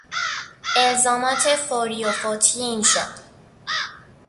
الزامات فوری و فوتی این شغل